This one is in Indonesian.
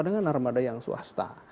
dengan armada yang swasta